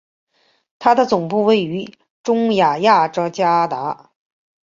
它的总部位于中亚雅加达。